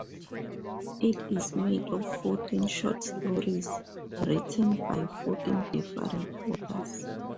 It is made of fourteen short stories written by fourteen different authors.